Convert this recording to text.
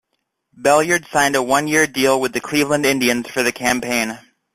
Belliard signed a one-year deal with the Cleveland Indians for the campaign.